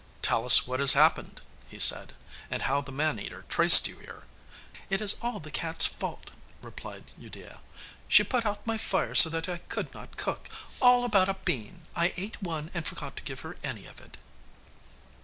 'Tell us what has happened,' he said, 'and how the man eater traced you here.' 'It is all the cat's fault,' replied Udea. 'She put out my fire so that I could not cook. All about a bean! I ate one and forgot to give her any of it.